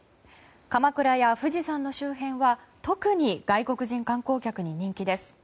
鎌倉や富士山の周辺は特に外国人観光客に人気です。